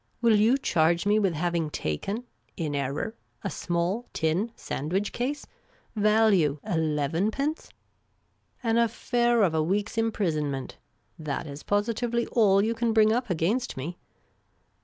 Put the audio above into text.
Will you charge me with having taken — in error — a small tin sandwich case — value, elevenpence ? An affair of a week's imprisonment. That is positively all you can bring up against me.